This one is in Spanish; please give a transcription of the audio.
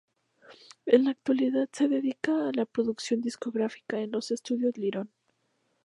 En la actualidad se dedica a la producción discográfica en los Estudios Lirón.